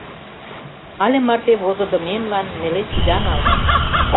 Але марте возыдымемлан нелеш ида нал.